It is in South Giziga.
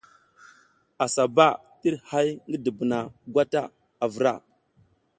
Assa ɓa tir hay ngi dubuna gwata a vra.